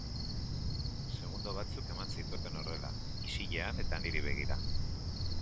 Segundo batzuk eman zituzten horrela, isilean eta niri begira.